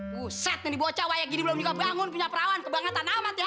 buset nih dibawa cowok yang gini belum juga bangun punya perawan kebangga tanamat ya